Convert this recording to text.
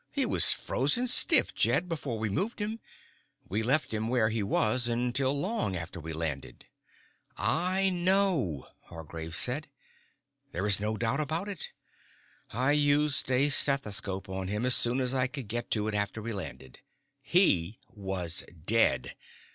He was frozen stiff, Jed, before we moved him. We left him where he was until long after we landed." "I know," Hargraves said. "There is no doubt about it. I used a stethoscope on him as soon as I could get to it after we landed. _He was dead.